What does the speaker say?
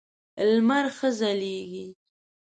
لمر ښه ځلېږي .